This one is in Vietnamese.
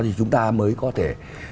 thì chúng ta mới có thể